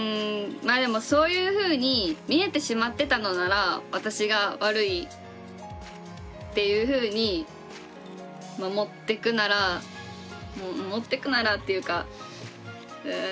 まあでもそういうふうに見えてしまってたのなら私が悪いっていうふうに持ってくなら持ってくならっていうかうん。